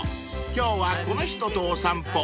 今日はこの人とお散歩］